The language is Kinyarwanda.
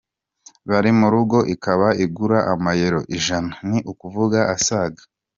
bari mu rugo ikaba igura amayero ijana, ni ukuvuga asaga